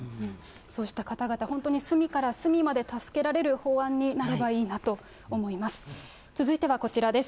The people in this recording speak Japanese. そうした方々、本当に隅から隅まで助けられる法案になればいいなと思います。